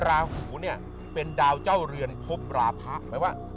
ราหูเนี้ยเป็นดาวเจ้าเรือนทบราภพ